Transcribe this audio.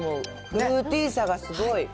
フルーティーさがすごい。